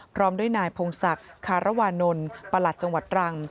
พร้อมด้วยนายพงศักดิ์คารวานนท์ประหลัดจังหวัดตรัง